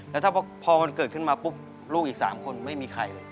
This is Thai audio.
แล้วถ้าพอมันเกิดขึ้นมาปุ๊บลูกอีก๓คนไม่มีใครเลย